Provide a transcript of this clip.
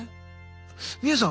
ミユさん